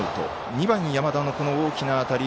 ２番、山田のこの大きな当たり。